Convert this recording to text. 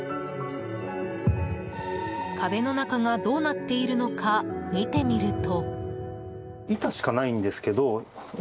壁の中がどうなっているのか見てみると。